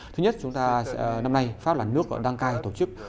thứ nhất năm nay pháp là nước đang cai tổ chức